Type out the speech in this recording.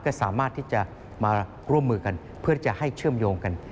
ก็สามารถที่จะมาร่วมมือกันเพื่อที่จะให้เชื่อมโยงกัน